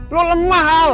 lo lemah al